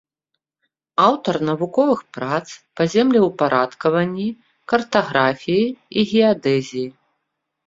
Аўтар навуковых прац па землеўпарадкаванні, картаграфіі і геадэзіі.